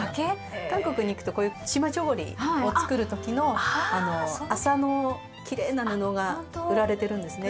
韓国に行くとこういうチマチョゴリを作る時の麻のきれいな布が売られてるんですね。